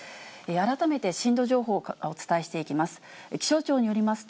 改めて震度情報をお伝えしていきます。